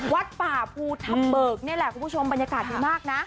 วัดป่าภูทับเบิกนี่แหละคุณผู้ชมบรรยากาศดีมากนะ